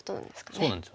そうなんですよね。